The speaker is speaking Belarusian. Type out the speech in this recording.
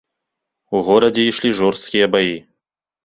У горадзе ішлі жорсткія баі.